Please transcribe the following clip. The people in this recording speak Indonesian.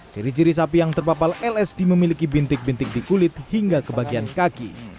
ciri ciri sapi yang terpapal lsd memiliki bintik bintik di kulit hingga ke bagian kaki